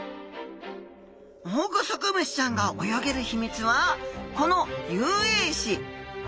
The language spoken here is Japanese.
オオグソクムシちゃんが泳げる秘密はこの遊泳肢。